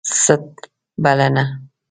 ست ... بلنه